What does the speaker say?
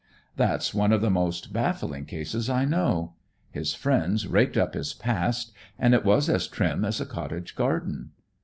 That's one of the most baffling cases I know. His friends raked up his past, and it was as trim as a cottage garden.